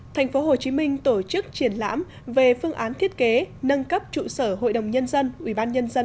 thành phố hồ chí minh tổ chức triển lãm về phương án thiết kế nâng cấp trụ sở hội đồng nhân dân